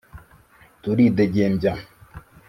Turidegembya